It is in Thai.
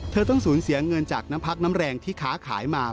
ต้องสูญเสียเงินจากน้ำพักน้ำแรงที่ค้าขายมา